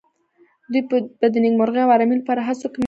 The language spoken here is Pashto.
دوی به د نېکمرغۍ او آرامۍ لپاره هڅو کې ملګري وي.